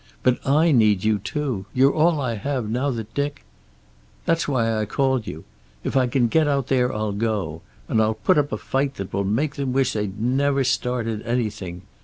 But I need you, too. You're all I have, now that Dick " "That's why I called you. If I can get out there, I'll go. And I'll put up a fight that will make them wish they'd never started anything.